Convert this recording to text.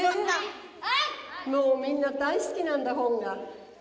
みんな大好きなんだ本が。